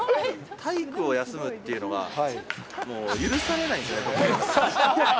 体育を休むっていうのがもう許されない。